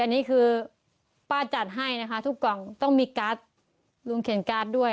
อันนี้คือป้าจัดให้นะคะทุกกล่องต้องมีการ์ดลุงเขียนการ์ดด้วย